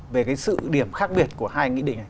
về cái sự điểm khác biệt của hai nghị định này